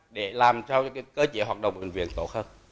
để làm cho cơ chế hoạt động bệnh viện tốt hơn